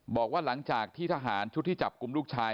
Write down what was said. บอกว่าหลังจากที่ทหารชุดที่จับกลุ่มลูกชาย